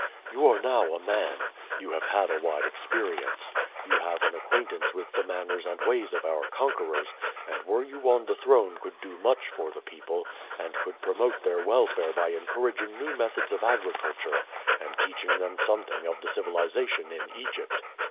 You are now a man. You have had a wide experience. You have an acquaintance with the manners and ways of our conquerors, and were you on the throne could do much for the people, and could promote their welfare by encouraging new methods of agriculture and teaching them something of the civilization in Egypt.